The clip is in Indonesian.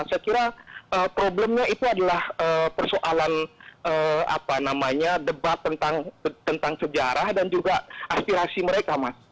saya kira problemnya itu adalah persoalan debat tentang sejarah dan juga aspirasi mereka mas